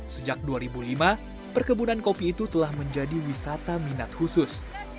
sejak dua ribu lima perkebunan kopi itu telah menjadi wisata minat khusus